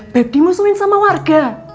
beb dimusuhin sama warga